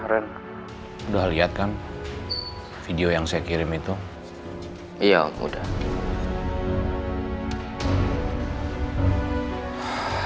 ren bermia akan video yang saya kirim itu iya udah